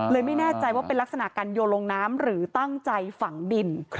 ไม่แน่ใจว่าเป็นลักษณะการโยนลงน้ำหรือตั้งใจฝังดิน